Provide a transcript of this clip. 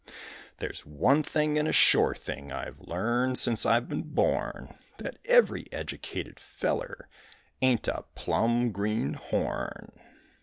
There's one thing and a shore thing I've learned since I've been born, That every educated feller ain't a plumb greenhorn.